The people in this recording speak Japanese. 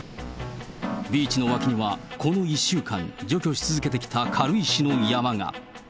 ビーチの脇にはこの１週間除去し続けてきた軽石の山が。